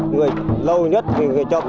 người lâu nhất thì người chồng